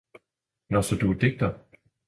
Nå, så du er digter!